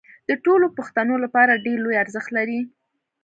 د ټولو پښتنو لپاره ډېر لوی ارزښت لري